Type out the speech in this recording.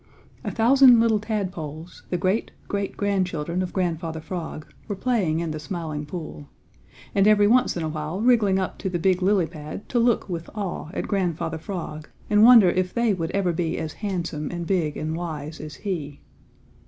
A thousand little tadpoles, the great, great grandchildren of Grandfather Frog, were playing in the Smiling Pool, and every once in a while wriggling up to the big lily pad to look with awe at Grandfather Frog and wonder if they would ever be as handsome and big and wise as he.